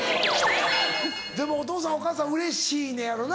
でもお父さんお母さんうれしいねやろな。